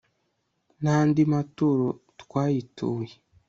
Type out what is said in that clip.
n'andi maturo twayituye